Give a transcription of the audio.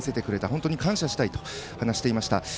本当に感謝したいと話していました。